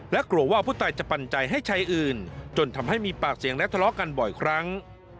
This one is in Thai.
และกลัวว่าผู้ตายจะปัญญาให้ชายอื่นจนทำให้มีปากเสียงและทะเลาะกันบ่อยครั้ง